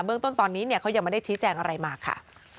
เรื่องต้นตอนนี้เขายังไม่ได้ชี้แจงอะไรมาค่ะ